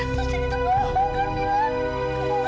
suser itu bohong kan mila